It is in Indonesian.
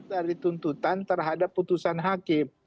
dari tuntutan terhadap putusan hakim